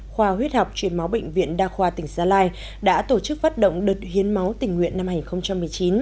khoa huyết học chuyển máu bệnh viện đa khoa tỉnh gia lai đã tổ chức phát động đợt hiến máu tình nguyện năm hai nghìn một mươi chín